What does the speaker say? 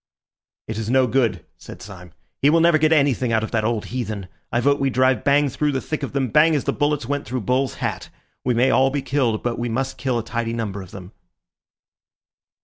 "It is no good," said Syme. "He will never get anything out of that old heathen. I vote we drive bang through the thick of them, bang as the bullets went through Bull's hat. We may all be killed, but we must kill a tidy number of them."